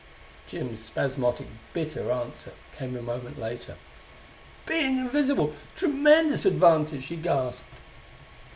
Jim's spasmodic, bitter answer came a moment later. "Being invisible tremendous advantage!" he gasped.